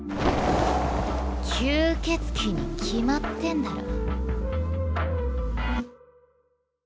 吸血鬼に決まってんだろ。